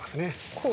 こう？